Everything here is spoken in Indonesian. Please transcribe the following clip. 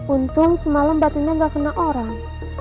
untung semalam batunya gak kena orang